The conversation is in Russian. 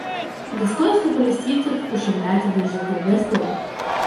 Достоинство палестинцев ущемляется на ежедневной основе.